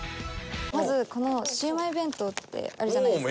まずこのシウマイ弁当ってあるじゃないですか。